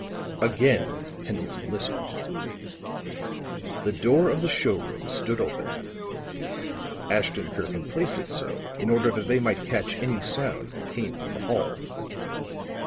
Again Pendleton listened. The door of the showroom stood open; Ashton Kirk had placed it so in order that they might catch any sound that came from the hall.